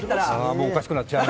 もうおかしくなっちゃう。